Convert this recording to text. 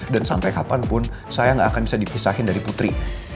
dan sampai kapanpun saya gak akan bisa dipisahin dari putri